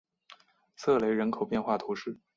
瑟雷人口变化图示